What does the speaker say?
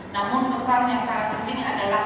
namun pesan yang sangat penting adalah